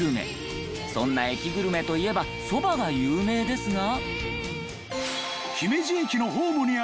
そんな駅グルメといえばそばが有名ですが。